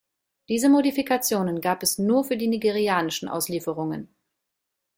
Diese Modifikationen gab es nur für die nigerianischen Auslieferungen.